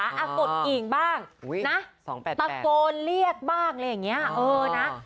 อ่ากดกิ่งบ้างนะตะโกนเรียกบ้างอย่างนี้เออนะสองแปดแปด